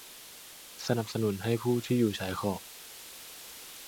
สนับสนุนให้ผู้ที่อยู่ชายขอบ